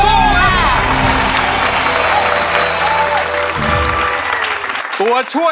อเรนนี่มันยากสำหรับล้าน